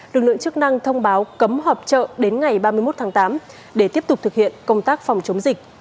lực lượng chức năng thông báo cấm họp chợ đến ngày ba mươi một tháng tám để tiếp tục thực hiện công tác phòng chống dịch